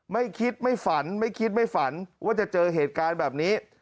ไม่คิดไม่ฝันไม่คิดไม่ฝันว่าจะเจอเหตุการณ์แบบนี้